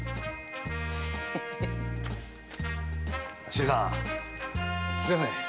新さんすみません。